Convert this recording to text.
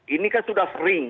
ini kan sudah sering